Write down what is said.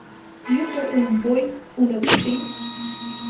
Иҟоу умбои, унаԥши.